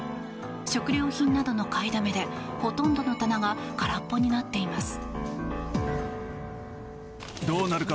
食料品などの買いだめでほとんどの棚が空っぽになっています。